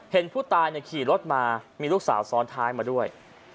เห็นผู้ตายขี่รถมามีลูกสาวซ้อนท้ายมาด้วย